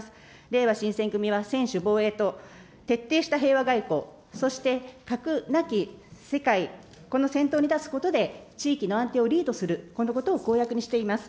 れいわ新選組は専守防衛と、徹底した平和外交、そして核なき世界、この先頭に立つことで、地域の安定をリードする、このことを公約にしています。